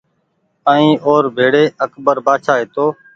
ائين او ر ڀيڙي اڪبر بآڇآ هيتو